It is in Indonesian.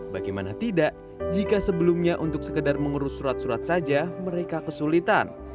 bagaimana tidak jika sebelumnya untuk sekedar mengurus surat surat saja mereka kesulitan